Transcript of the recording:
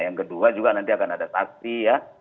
yang kedua juga nanti akan ada saksi ya